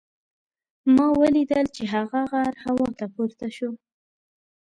ما ولیدل چې هغه غر هوا ته پورته شو.